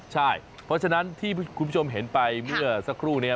ใช่เพราะฉะนั้นที่คุณผู้ชมเห็นไปเมื่อสักครู่นี้